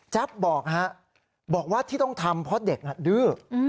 บอกฮะบอกว่าที่ต้องทำเพราะเด็กดื้อ